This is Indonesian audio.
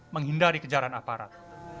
menghindari kejaran aparat